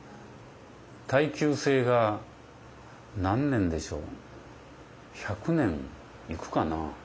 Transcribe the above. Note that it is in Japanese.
耐久性が何年でしょう１００年いくかな？